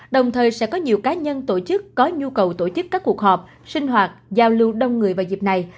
đồng thời sẽ có nhiều cá nhân tổ chức có nhu cầu tổ chức các cuộc họp sinh hoạt giao lưu đông người vào dịp này